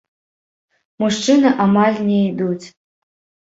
Мужчыны амаль не ідуць.